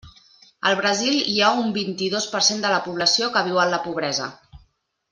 Al Brasil hi ha un vint-i-dos per cent de la població que viu en la pobresa.